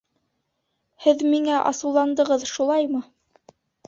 Һеҙ миңә асыуландығыҙ, шулаймы?